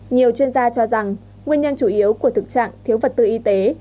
nhiều chuyên gia cho rằng nguyên nhân chủ yếu của thực trạng thiếu vật tư y tế